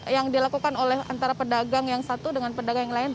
yang dilakukan oleh antara pedagang yang satu dengan pedagang yang lain